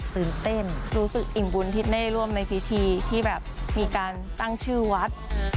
ตื่นเต้นรู้สึกอิ่มบุญที่ได้ร่วมในพิธีที่แบบมีการตั้งชื่อวัด